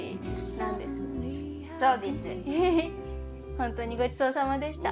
本当にごちそうさまでした。